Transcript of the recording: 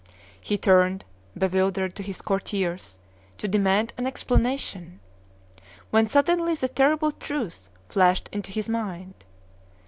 He turned, bewildered, to his courtiers, to demand an explanation, when suddenly the terrible truth flashed into his mind.